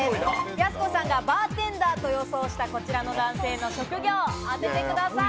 やす子さんがバーテンダーと予想したこちらの男性の職業を当ててください。